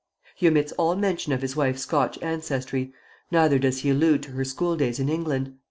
He omits all mention of his wife's Scotch ancestry, neither does he allude to her school days in England.